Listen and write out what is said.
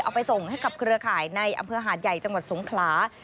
เอาไปส่งให้กับเครือข่ายในอำเภอหาดใหญ่จังหวัดสงขลา